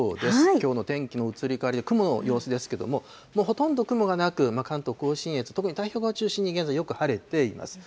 きょうの天気の移り変わり、雲の様子ですけれども、ほとんど雲がなく、関東甲信越、特に太平洋側を中心に現在、よく晴れています。